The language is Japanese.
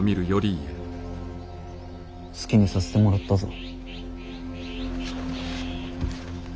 好きにさせてもらったぞ。